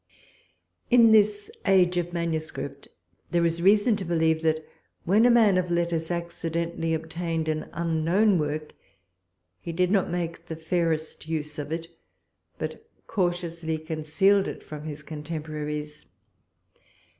In this age of manuscript, there is reason to believe, that when a man of letters accidentally obtained an unknown work, he did not make the fairest use of it, but cautiously concealed it from his contemporaries.